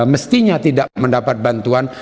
mestinya tidak mendapat bantuan